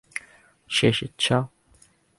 শেষ ইচ্ছা!